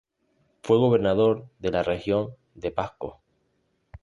Fue gobernador de la región de Pasco.